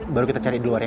baru kita cari di luar ya